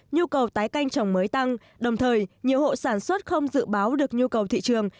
nhu cầu tái canh trồng mới tăng đồng thời nhiều hộ sản xuất không dự báo được nhu cầu thị trường